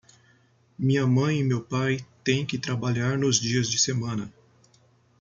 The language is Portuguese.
Minha mãe e meu pai têm que trabalhar nos dias de semana.